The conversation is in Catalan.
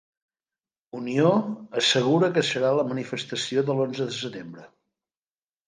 Unió assegura que serà a la manifestació de l'Onze de Setembre